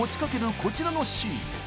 こちらのシーン